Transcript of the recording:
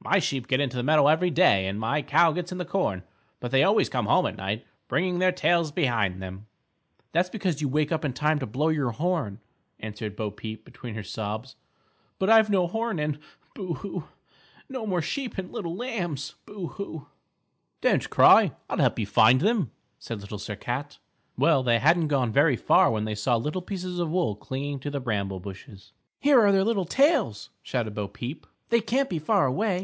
"My sheep get into the meadow every day and my cows get in the corn, but they always come home at night, bringing their tails behind them." "That's because you wake up in time to blow your horn," answered Bo Peep between her sobs; "but I've no horn and boo, hoo no more sheep and little lambs boo, hoo" "Don't cry, I'll help you find them," said Little Sir Cat. Well, they hadn't gone very far when they saw little pieces of wool clinging to the bramble bushes. "Here are their little tails!" shouted Bo Peep. "They can't be far away!"